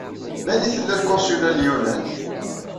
Mani tella lkonsula n Lyunan?